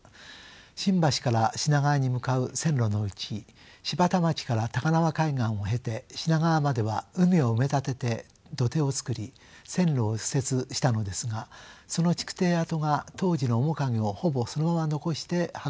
新橋から品川に向かう線路のうち芝田町から高輪海岸を経て品川までは海を埋め立てて土手を作り線路を敷設したのですがその築堤跡が当時の面影をほぼそのまま残して発掘されたのです。